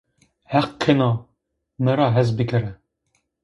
Heq kena! mı ra hez bıkere.